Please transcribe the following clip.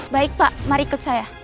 baik pak mari ikut saya